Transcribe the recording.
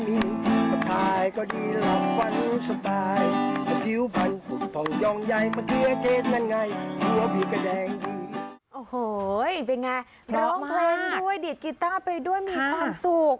ดิดกีต้าไปด้วยมีความสุข